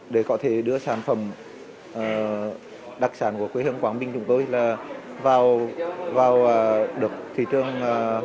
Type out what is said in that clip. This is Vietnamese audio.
để có thể đưa sản phẩm đặc sản của quê hương quảng bình chúng tôi là vào được thị trường